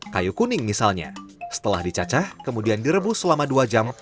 kayu kuning misalnya setelah dicacah kemudian direbus selama dua jam